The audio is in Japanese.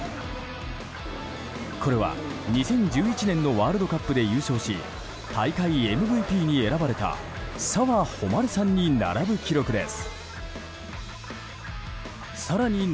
これは２０１１年のワールドカップで優勝し大会ＭＶＰに選ばれた澤穂希さんに並ぶ記録です。